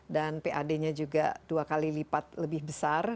dan pad nya juga dua kali lipat lebih besar